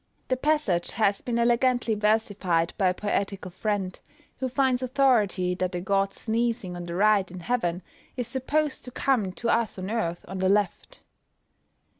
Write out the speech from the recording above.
The passage has been elegantly versified by a poetical friend, who finds authority that the gods sneezing on the right in heaven, is supposed to come to us on earth on the left.